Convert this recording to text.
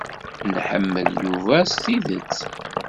Nḥemmel Yuba s tidet.